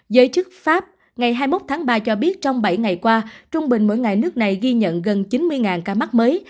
giới chức pháp ngày hai mươi một tháng ba cho biết trong bảy ngày qua trung bình mỗi ngày nước này ghi nhận gần chín mươi ca mắc mới